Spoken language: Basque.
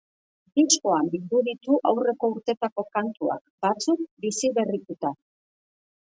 Diskoan bildu ditu aurreko urtetako kantuak, batzuk biziberrituta.